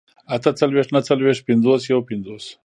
اتهڅلوېښت، نههڅلوېښت، پينځوس، يوپينځوس